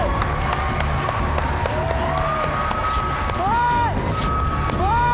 กินโต๊ะตัวนี้ที่พี่ทำ